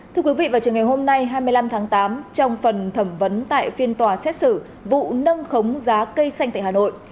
thưa quý vị vào trường ngày hôm nay hai mươi năm tháng tám trong phần thẩm vấn tại phiên tòa xét xử vụ nâng khống giá cây xanh tại hà nội